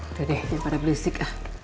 udah deh ini pada berisik